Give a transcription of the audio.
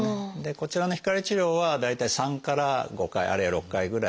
こちらの光治療は大体３から５回あるいは６回ぐらい。